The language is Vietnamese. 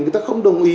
người ta không đồng ý